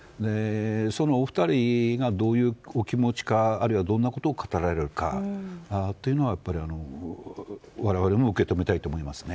そのお二人がどういうお気持ちかあるいはどんなことを語られるかというのは我々も受け止めたいと思います。